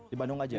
di bandung aja